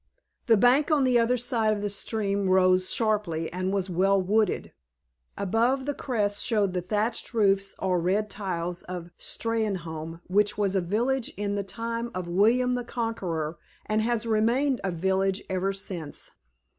The bank on the other side of the stream rose sharply and was well wooded. Above the crest showed the thatched roofs or red tiles of Steynholme, which was a village in the time of William the Conqueror, and has remained a village ever since.